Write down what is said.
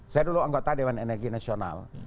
saya dulu anggota dewan energi nasional